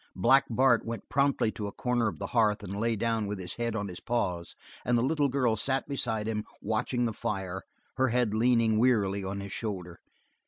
Black Bart went promptly to a corner of the hearth and lay down with his head on his paws and the little girl sat beside him watching the fire, her head leaning wearily on his shoulder.